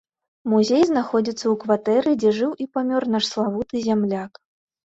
Музей знаходзіцца ў кватэры дзе жыў і памёр наш славуты зямляк.